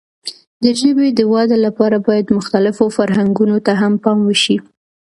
د ژبې د وده لپاره باید مختلفو فرهنګونو ته هم پام وشي.